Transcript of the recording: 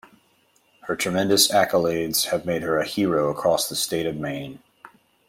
Her tremendous accolades have made her a hero across the state of Maine.